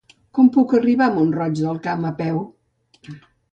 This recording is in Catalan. Com puc arribar a Mont-roig del Camp a peu?